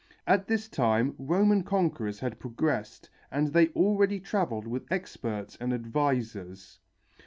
At this time Roman conquerors had progressed, and they already travelled with experts and advisers.